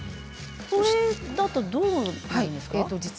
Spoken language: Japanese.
これだとどうなるんですか。